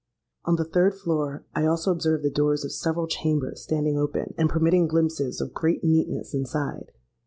On the third floor I also observed the doors of several chambers standing open, and permitting glimpses of great neatness inside.